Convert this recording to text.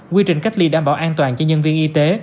quy trình cách ly đảm bảo an toàn cho nhân viên y tế